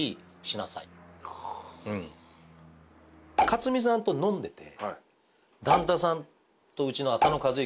克実さんと飲んでて段田さんとうちの浅野和之さん